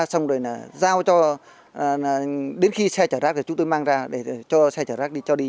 xong rồi là giao cho đến khi xe chở rác thì chúng tôi mang ra để cho xe chở rác đi cho đi